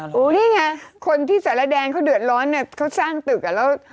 โอ้โฮนี่ไงคนที่สลัดแดงเขาเดือดร้อนเขาสร้างตึก